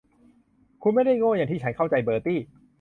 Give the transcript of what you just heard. คุณไม่ได้โง่อย่างที่ฉันเข้าใจ เบอร์ตี้